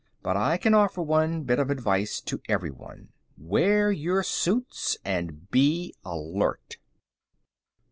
But I can offer one bit of advice to everyone: wear your suits and be alert."